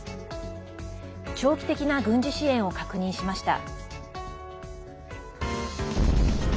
長期的な軍事支援を確認しました。